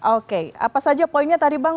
oke apa saja poinnya tadi bang